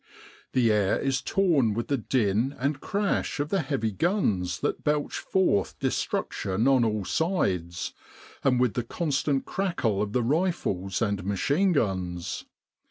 The air is torn with the din and crash of the heavy guns that belch forth destruction on all sides, and with the constant crackle of the rifles and machine guns.